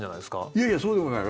いやいや、そうでもない。